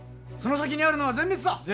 その先にあるのは全滅だ！